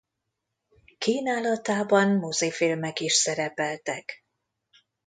Kínálatában mozifilmek is szerepeltek.